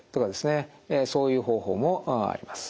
そういう方法もあります。